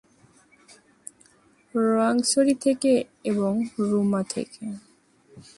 রোয়াংছড়ি থেকে এবং রুমা থেকে।